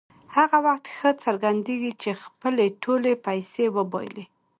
هغه وخت ښه څرګندېږي چې خپلې ټولې پیسې وبایلي.